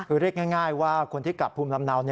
คือเรียกง่ายว่าคนที่กลับภูมิลำเนา